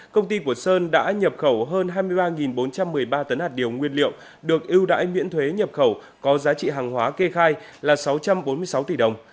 công ty của sơn đã nhập khẩu hơn hai mươi ba bốn trăm một mươi ba tấn hạt điều nguyên liệu được ưu đãi miễn thuế nhập khẩu có giá trị hàng hóa kê khai là sáu trăm bốn mươi sáu tỷ đồng